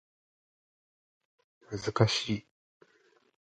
禅智内供の鼻と云えば、池の尾で知らない者はない。